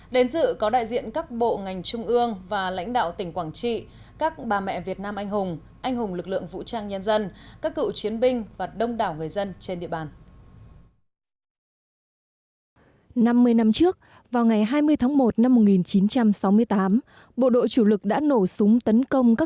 đến dự có đại diện các bộ ngành trung ương và lãnh đạo tỉnh quảng trị các bà mẹ việt nam anh hùng anh hùng lực lượng vũ trang nhân dân các cựu chiến binh và đông đảo người dân trên địa bàn